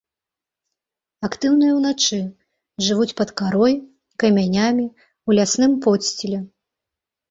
Актыўныя ўначы, жывуць пад карой, камянямі, у лясным подсціле.